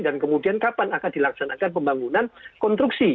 dan kemudian kapan akan dilaksanakan pembangunan konstruksi